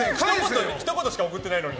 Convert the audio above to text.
ひと言しか送ってないのに。